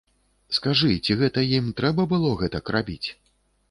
Скажы, ці гэта ім трэба было гэтак рабіць?